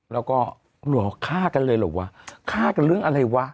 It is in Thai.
แล้วก็เหรอฆ่ากันเลยเหรอวะฆ่ากันเรื่องอะไรวะ